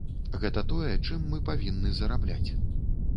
Гэта тое, чым мы павінны зарабляць.